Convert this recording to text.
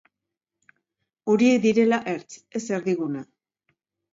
Horiek direla ertz, ez erdigune.